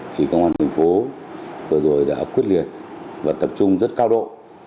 thì công an thành phố vừa rồi đã quyết liệt và tập trung rất cao độ